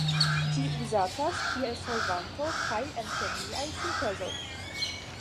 Ĝi uzatas kiel solvanto kaj en kemiaj sintezoj.